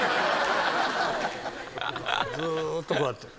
ずーっとこうやって。